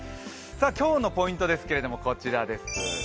今日のポイントですけど、こちらです。